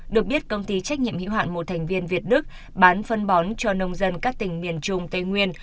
được biết công ty trách nhiệm hữu hạn một thành viên việt đức bán phân bón cho nông dân các tỉnh miền trung tây nguyên